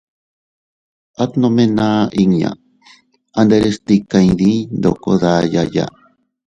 At nome naʼa inña anderes tika iydiy ndoko dayaya.